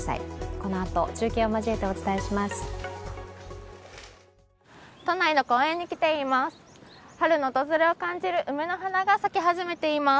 このあと中継を交えてお伝えします。